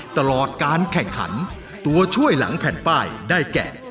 ตลอดการแข่งขันตัวช่วยหลังแผ่นป้ายได้แก่